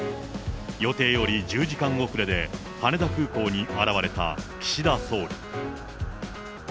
予定より１０時間遅れで羽田空港に現れた岸田総理。